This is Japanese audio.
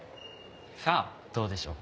さあどうでしょう。